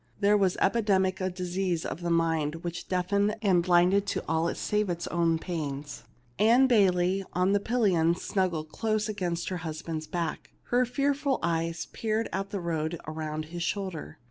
There was epidemic a dis ease of the mind which deafened and blinded to all save its own pains. Ann Bayley on the pillion snuggled closely against her husband's back ; her fearful eves peered at the road around his shoulder.